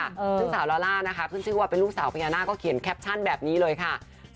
ซึ่งสาวลาล่านะคะขึ้นชื่อว่าเป็นลูกสาวพญานาคก็เขียนแคปชั่นแบบนี้เลยค่ะ